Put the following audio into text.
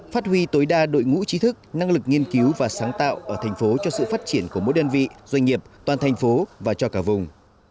phát huy tối đa đội ngũ trí thức năng lực nghiên cứu và sáng tạo ở thành phố cho sự phát triển của mỗi đơn vị doanh nghiệp toàn thành phố và cho cả vùng